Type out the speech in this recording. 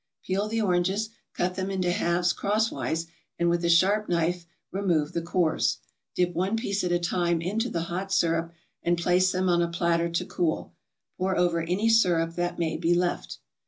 Peel the oranges, cut them into halves crosswise, and with a sharp knife remove the cores. Dip one piece at a time into the hot syrup and place them on a platter to cool. Pour over any syrup that may be left.